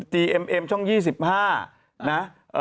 เอ็มเอ็มช่อง๒๕นะ